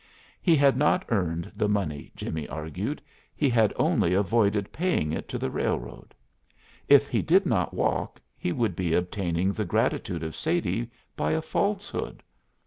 He had not earned the money, Jimmie argued; he had only avoided paying it to the railroad. If he did not walk he would be obtaining the gratitude of Sadie by a falsehood.